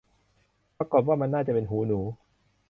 ปรากฏว่า มันน่าจะเป็นหูหนู